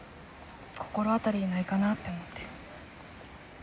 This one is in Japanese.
心当たりないかなって思って。